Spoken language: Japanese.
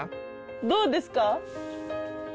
どうですか？